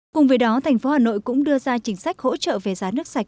cùng với đó tp hcm cũng đưa ra chính sách hỗ trợ về giá nước sạch